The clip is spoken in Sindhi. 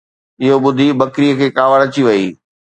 اهو ٻڌي ٻڪريءَ کي ڪاوڙ اچي وئي